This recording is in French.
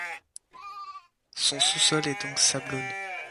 Son sous-sol est donc sablonneux.